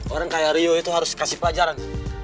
orang kayak rio itu harus kasih pelajaran